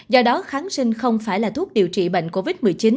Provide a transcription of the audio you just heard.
do đó kháng sinh không phải là thuốc điều trị bệnh covid một mươi chín